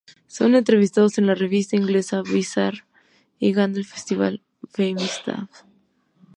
Son entrevistados en la revista inglesa Bizarre y ganan el festival Festimad.